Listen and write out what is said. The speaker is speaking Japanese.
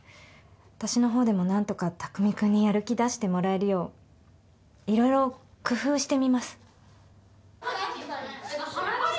私のほうでも何とか匠君にやる気出してもらえるよういろいろ工夫してみます。